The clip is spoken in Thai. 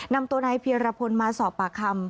นำตัวนายเพียรพลมาสอบปากคำ